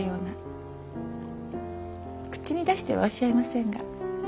口に出してはおっしゃいませんが。